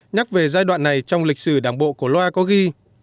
nhắc về giai đoạn này trong lịch sử đảng bộ cổ loa có ghi